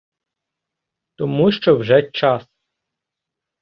тому що вже час.